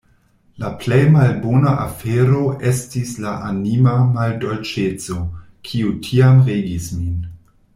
La plej malbona afero estis la anima maldolĉeco, kiu tiam regis min.